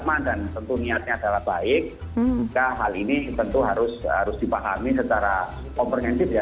agama dan tentu niatnya adalah baik kita hal ini tentu harus harus dipahami secara komprensif ya